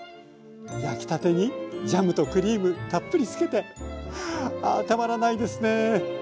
焼きたてにジャムとクリームたっぷりつけてああたまらないですね。